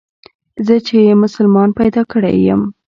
چې زه يې مسلمان پيدا کړى يم.